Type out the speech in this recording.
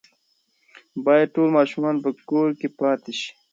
باید ټول ماشومان په کور کې پاتې شي.